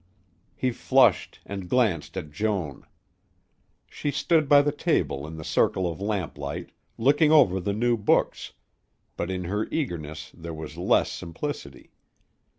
He flushed and glanced at Joan. She stood by the table in the circle of lamplight, looking over the new books, but in her eagerness there was less simplicity.